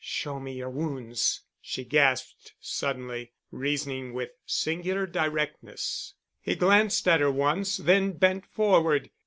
"Show me your wounds," she gasped suddenly, reasoning with singular directness. He glanced at her once, then bent forward.